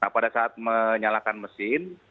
pada saat menyalakan mesin